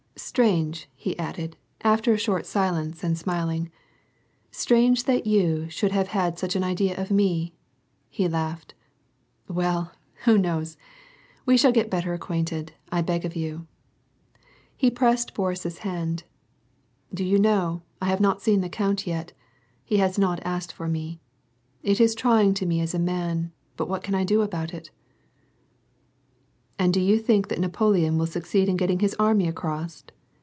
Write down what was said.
Strange," he added, after a short silence and smiling, —" Strange that you should have had such an idea of me." He laughed. " Well, who knows ? We shall get better acquainted, I beg of you." He pressed Boris's hand. " Do you know, I have not seen the count yet ? He has not asked for me. It is trying to me as a man, but what can I do about it ?" "And do you think that Napoleon will succeed in getting his army across